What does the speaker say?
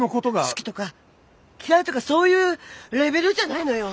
好きとか嫌いとかそういうレベルじゃないのよ！